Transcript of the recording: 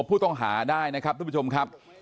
ผู้ต้องหาได้นะครับทุกผู้ชมครับ